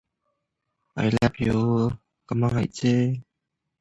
It was the band's last original studio album before a prolonged hiatus.